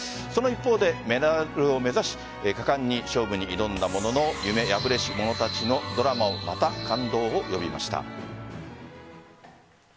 その一方で、メダルを目指し果敢に勝負に挑んだものの夢破れし者たちのドラマもまた感動を呼びました。